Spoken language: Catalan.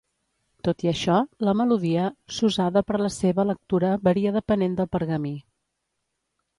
Tot i això, la melodia s"usada per la seva lectura varia depenent del pergamí.